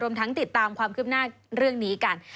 ทั้งติดตามความคืบหน้าเรื่องนี้กัน